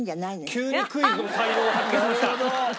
急にクイズの才能を発揮しました！